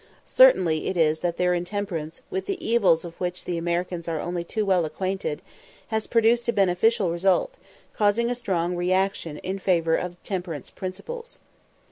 Certain it is that their intemperance, with the evils of which the Americans are only too well acquainted, has produced a beneficial result, by causing a strong re action in favour of temperance principles.